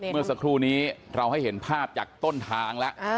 เมื่อสักครู่นี้เราให้เห็นภาพจากต้นทางแล้ว